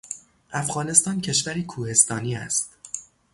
افغانستان کشوری کوهستانی است.